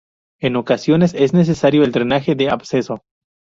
En ocasiones, es necesario el drenaje del absceso.